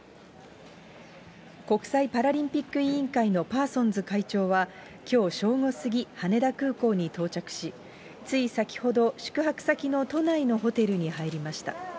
国際パラリンピック委員会のパーソンズ会長はきょう正午過ぎ、羽田空港に到着し、つい先ほど、宿泊先の都内のホテルに入りました。